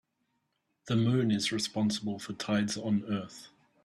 The moon is responsible for tides on earth.